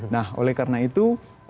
nah oleh karena itu